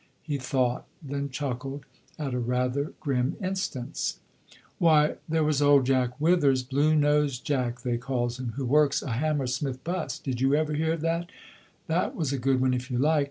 He thought, then chuckled at a rather grim instance. "Why, there was old Jack Withers, 'blue nosed Jack' they calls him, who works a Hammersmith 'bus! Did you ever hear of that? That was a good one, if you like.